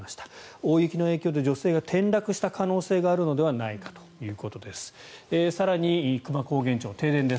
大雪の影響で女性が転落した可能性があるのではないかということです。